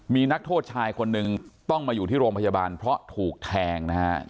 มีนักโทษชายคนหนึ่งต้องมาอยู่ที่โรงพยาบาลเพราะถูกแทงนะครับ